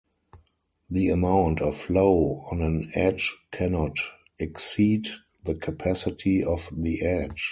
The amount of flow on an edge cannot exceed the capacity of the edge.